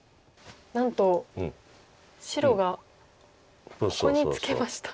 なんと白がここにツケました。